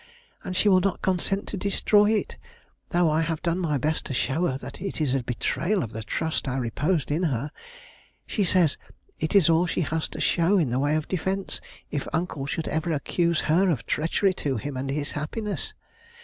And she will not consent to destroy it, though I have done my best to show her that it is a betrayal of the trust I reposed in her. She says it is all she has to show in the way of defence, if uncle should ever accuse her of treachery to him and his happiness.